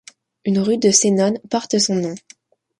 Une rue de Senones porte son nom.